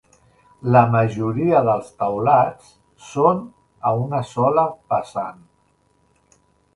La majoria dels teulats són a una sola vessant.